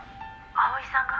「蒼さんが？